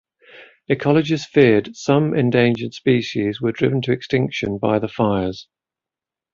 Ecologists feared some endangered species were driven to extinction by the fires.